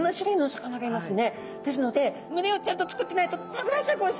ですので群れをちゃんとつくってないと食べられちゃうかもしんない。